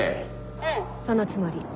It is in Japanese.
うんそのつもり。